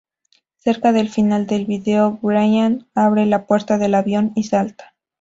Cerca del final del video, Bryan abre la puerta del avión y salta.